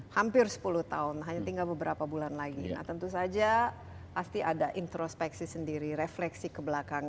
hampir sepuluh tahun hanya tinggal beberapa bulan lagi tentu saja pasti ada introspeksi sendiri refleksi ke belakang